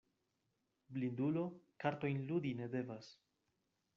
Blindulo kartojn ludi ne devas.